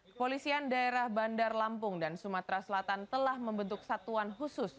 kepolisian daerah bandar lampung dan sumatera selatan telah membentuk satuan khusus